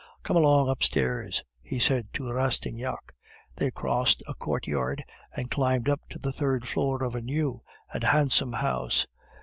"Come along upstairs," he said to Rastignac. They crossed a courtyard, and climbed up to the third floor of a new and handsome house.